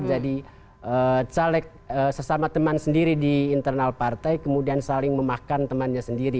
jadi caleg sesama teman sendiri di internal partai kemudian saling memakan temannya sendiri